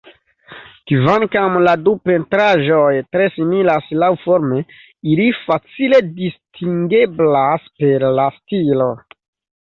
Kvankam la du pentraĵoj tre similas laŭforme, ili facile distingeblas per la stilo.